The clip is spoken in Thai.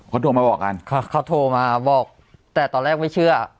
เขาโทรมาบอกกันเขาโทรมาบอกแต่ตอนแรกไม่เชื่อ